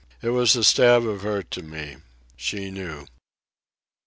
It was a stab of hurt to me. She knew.